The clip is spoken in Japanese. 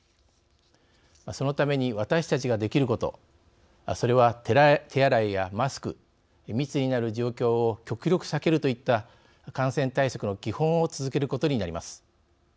そのために私たちができることそれは、手洗いやマスク密になる状況を極力避けるといった感染対策の基本を続けることになります。